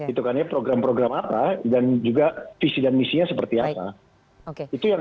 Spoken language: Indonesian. itu kan ya program program apa dan juga visi dan misinya seperti apa